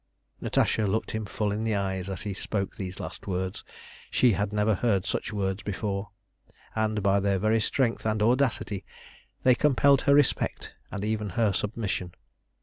Natasha looked him full in the eyes as he spoke these last words. She had never heard such words before, and by their very strength and audacity they compelled her respect and even her submission.